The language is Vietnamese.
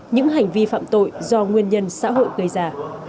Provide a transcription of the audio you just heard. những hành vi phạm tội do nguyên nhân xã hội gây ra